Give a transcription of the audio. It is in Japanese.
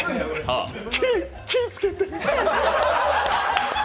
気ぃつけて。